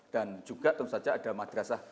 dan juga tentu saja ada madrasah